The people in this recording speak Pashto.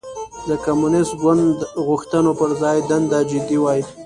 د کمونېست ګوند غوښتنو پر ځای دنده جدي وای.